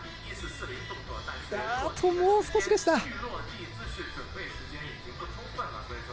あともう少しでした。